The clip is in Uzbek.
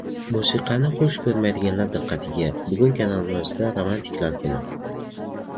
Musiqani xush koʻrmaydiganlar diqqatiga: bugun kanalimizda romantiklar kuni.